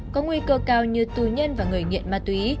có nguy cơ cao như tù nhân và người nghiện ma túy